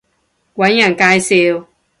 搵人介紹